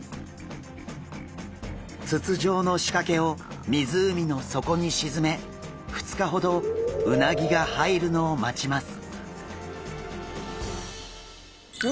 筒状の仕掛けを湖の底に沈め２日ほどうなぎが入るのを待ちます。